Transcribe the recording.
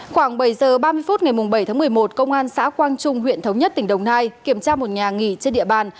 khoảng bảy h ba mươi phút ngày bảy tháng một mươi một công an xã quang trung huyện thống nhất tỉnh đồng nai kiểm tra một nhà nghỉ trên địa bàn